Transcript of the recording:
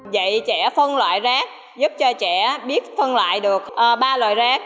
dạy trẻ phân loại rác giúp cho trẻ biết phân loại được ba loại rác